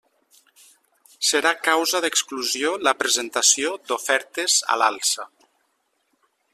Serà causa d'exclusió la presentació d'ofertes a l'alça.